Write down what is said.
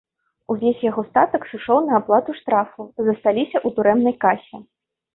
Увесь яго статак сышоў на аплату штрафу, засталіся у турэмнай касе.